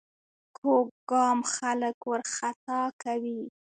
کوږ ګام خلک وارخطا کوي